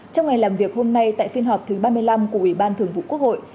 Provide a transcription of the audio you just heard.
trong ngày làm việc hôm nay tại phiên họp thứ ba mươi năm của ủy ban thường vụ quốc hội